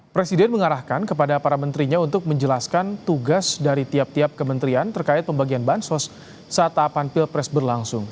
presiden mengarahkan kepada para menterinya untuk menjelaskan tugas dari tiap tiap kementerian terkait pembagian bansos saat tahapan pilpres berlangsung